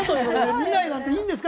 見ないなんていいんですか？